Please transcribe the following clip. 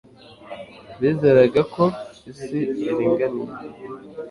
Bizeraga ko isi iringaniye